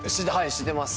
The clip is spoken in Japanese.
知ってます。